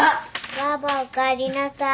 ばあばおかえりなさい。